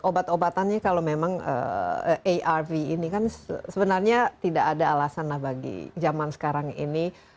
obat obatannya kalau memang arv ini kan sebenarnya tidak ada alasan lah bagi zaman sekarang ini